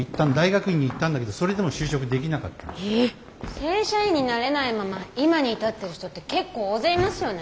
正社員になれないまま今に至ってる人って結構大勢いますよね。